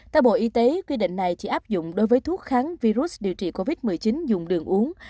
theo bộ y tế quy định này chỉ áp dụng đối với thuốc kháng virus điều trị covid một mươi chín dùng đường uống